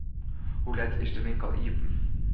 Hoe let is de winkel iepen?